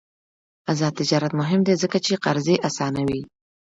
آزاد تجارت مهم دی ځکه چې قرضې اسانوي.